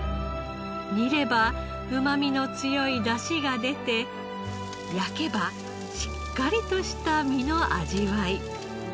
煮ればうまみの強いだしが出て焼けばしっかりとした身の味わい。